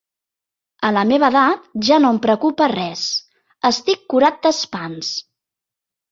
A la meva edat ja no em preocupa res, estic curat d'espants.